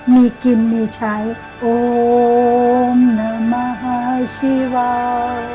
มีกินมีใช้โอมนามังชิวาย